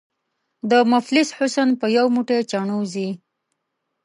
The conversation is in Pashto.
” د مفلس حُسن په یو موټی چڼو ځي”